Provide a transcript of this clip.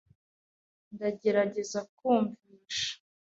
Ndagerageza kumvisha .